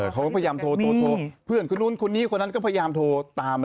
เขาก็พยายามโทรเพื่อนคนนู้นคนนี้คนนั้นก็พยายามโทรตามมา